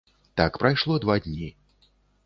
Так прайшло два дні.